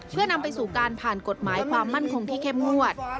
เพื่อนำไปสู่การผ่านกฎหมายความมั่นคงที่เข้มงวด